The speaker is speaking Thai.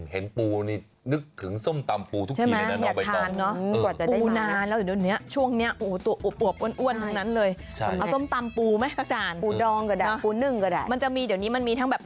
เห็นปูนี่นึกถึงส้มตำปูทุกทีเลยนะ